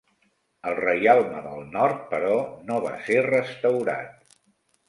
El reialme del Nord, però, no va ser restaurat.